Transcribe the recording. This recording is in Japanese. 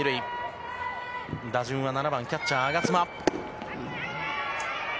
打順は７番キャッチャー、我妻。